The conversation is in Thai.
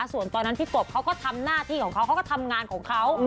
ส่วนตอนนั้นพี่กบเขาก็ทำหน้าที่ของเขาเขาก็ทำงานของเขา